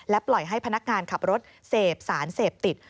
ปล่อยให้พนักงานขับรถเสพสารเสพติด